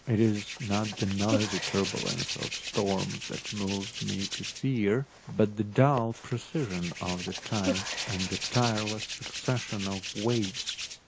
It is not the noisy turbulence of storms that moves me to fear, but the dull precision of the tides and the tireless succession of waves.